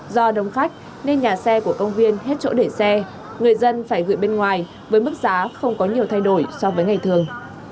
do đông khách nên nhà xe của công viên hết chỗ để xe người dân phải gửi bên ngoài với mức giá không có nhiều thay đổi so với ngày thường